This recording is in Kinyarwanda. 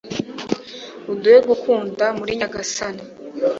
uduhe gukunda muri nyagasani